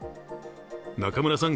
中村さん